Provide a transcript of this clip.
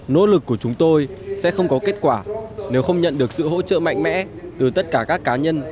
nỗ lực của chúng tôi sẽ không có kết quả nếu không nhận được sự hỗ trợ mạnh mẽ từ tất cả các cá nhân